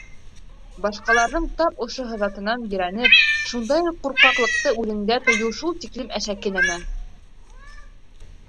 Башҡаларҙың тап ошо һыҙатынан ерәнеп, шундай уҡ ҡурҡаҡлыҡты үҙеңдә тойоу шул тиклем әшәке нәмә.